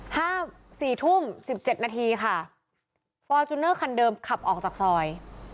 ห้าสี่ทุ่มสิบเจ็ดนาทีค่ะฟอร์จูเนอร์คันเดิมขับออกจากซอย